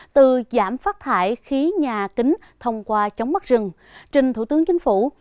từ giảm phát thải khí nhà kính thông qua chống mắt rừng trình thủ tướng chính phủ